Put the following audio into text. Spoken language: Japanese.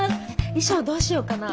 衣装どうしよっかなぁ。